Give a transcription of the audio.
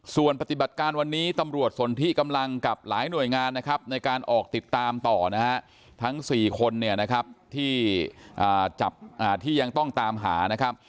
ส่วนปฏิบัติการวันนี้ตำรวจสนที่กำลังกับหลายหน่วยงานนะครับในการออกติดตามต่อนะฮะทั้ง๔คนเนี่ยนะครับที่ยังต้องตามหานะครับ